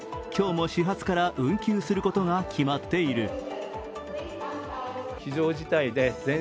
今日も始発から運休することが決まっている。